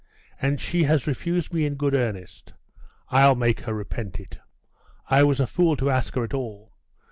and she has refused me in good earnest! I'll make her repent it! I was a fool to ask her at all!